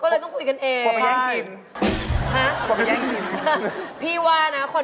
ก็เลยต้องคุยกันเอง